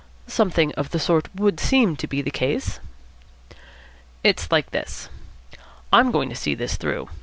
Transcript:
"Something of the sort would seem to be the case." "It's like this. I'm going to see this through.